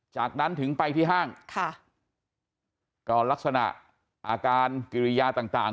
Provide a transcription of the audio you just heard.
จากนั้นถึงไปที่ห้างค่ะก็ลักษณะอาการกิริยาต่างต่าง